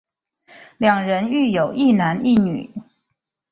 两人育有一男一女。